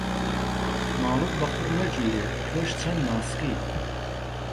ماڵت بە قوڕ نەگیرێ تۆش چەند ناسکی.